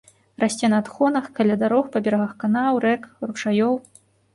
Расце на адхонах, каля дарог, па берагах канаў, рэк, ручаёў.